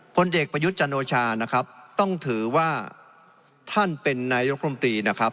พลเอกประยุทธ์จันโอชานะครับต้องถือว่าท่านเป็นนายกรมตรีนะครับ